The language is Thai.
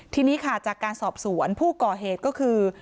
ทีนี้ค่ะจากการสอบสวนผู้ก่อเหตุก็คือ